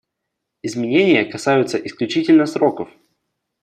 Изменения касаются исключительно сроков.